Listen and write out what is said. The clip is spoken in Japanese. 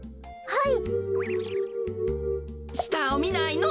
はい。